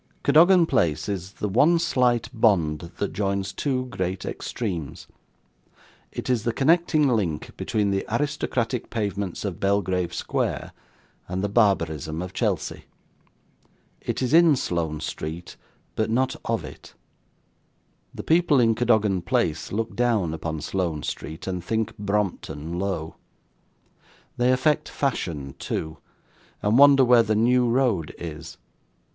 Cadogan Place is the one slight bond that joins two great extremes; it is the connecting link between the aristocratic pavements of Belgrave Square, and the barbarism of Chelsea. It is in Sloane Street, but not of it. The people in Cadogan Place look down upon Sloane Street, and think Brompton low. They affect fashion too, and wonder where the New Road is.